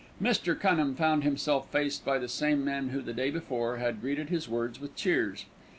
Mr. Cunham found himself faced by the same men who, the day before, had greeted his words with cheers.